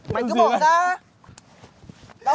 mày cứ bỏ ra